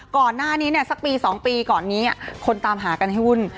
ก่อนหน้านี้สักปี๒ปีก่อนนี้คนตามหากันให้วุ่น